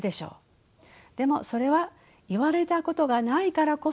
でもそれは言われたことがないからこそそう思えるのです。